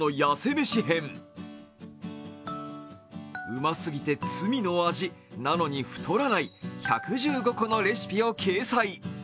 うますぎて罪の味、なのに太らない１１５個のレシピを掲載。